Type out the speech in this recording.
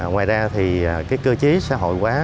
ngoài ra thì cái cơ chế xã hội hóa